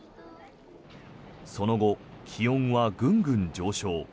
その後、気温はぐんぐん上昇。